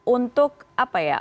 untuk apa ya